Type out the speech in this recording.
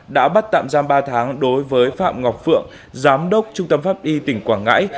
đã bắt tạm giam ba tháng đối với phạm ngọc phượng giám đốc trung tâm pháp y tỉnh quảng ngãi